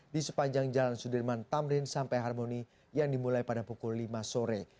di sepanjang jalan sudirman tamrin sampai harmoni yang dimulai pada pukul lima sore